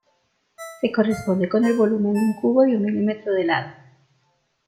Se corresponde con el volumen de un cubo de un milímetro de lado.